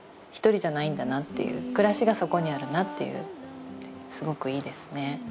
１人じゃないんだなっていう暮らしがそこにあるなっていうすごくいいですね。